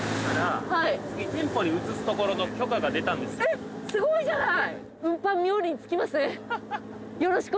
えっすごいじゃない。